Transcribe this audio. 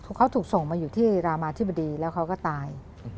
เขาถูกส่งมาอยู่ที่รามาธิบดีแล้วเขาก็ตาย